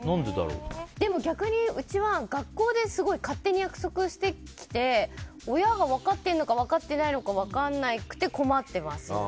逆にうちは学校で勝手に約束してきて親が分かっているのか分かってないのか分からなくて困っています。